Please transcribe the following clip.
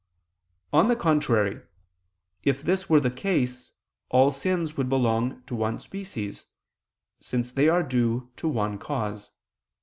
On the contrary, If this were the case all sins would belong to one species, since they are due to one cause.